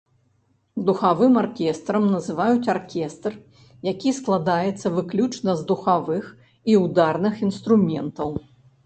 Духавым аркестрам называюць аркестр, які складаецца выключна з духавых і ўдарных інструментаў.